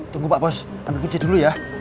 tunggu pak bos ambil kunci dulu ya